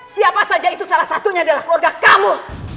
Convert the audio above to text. siapa saja itu salah satunya adalah keluarga kamu